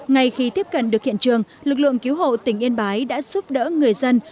ngay khi tiếp cận được hiện trường lực lượng cứu hộ tỉnh yên bái đã giúp đỡ người dân